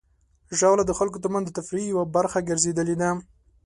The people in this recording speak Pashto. ژاوله د خلکو ترمنځ د تفریح یوه برخه ګرځېدلې ده.